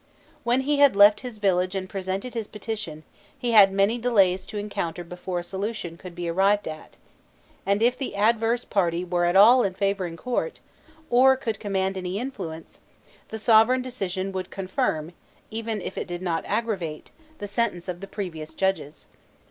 When he had left his village and presented his petition, he had many delays to encounter before a solution could be arrived at; and if the adverse party were at all in favour at court, or could command any influence, the sovereign decision would confirm, even if it did not aggravate, the sentence of the previous judges.